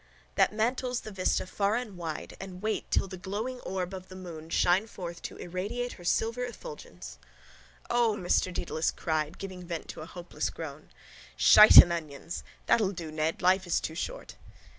_—That mantles the vista far and wide and wait till the glowing orb of the moon shine forth to irradiate her silver effulgence..._ —O! Mr Dedalus cried, giving vent to a hopeless groan. Shite and onions! That'll do, Ned. Life is too short.